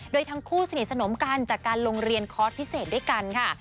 โดยทั้งคู่สนิทสนมกันจากการโรงเรียนคอร์สพิเศษด้วยกันค่ะ